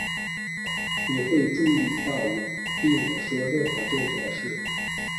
你会注意到我避免说任何政治的事。